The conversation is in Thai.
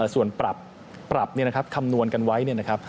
ส่วนปรับปรับคำนวณกันไว้